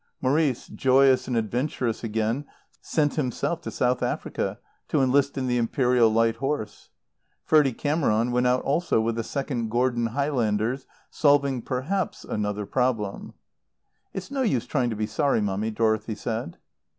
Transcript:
Maurice, joyous and adventurous again, sent himself to South Africa, to enlist in the Imperial Light Horse. Ferdie Cameron went out also with the Second Gordon Highlanders, solving, perhaps, another problem. "It's no use trying to be sorry, Mummy," Dorothy said.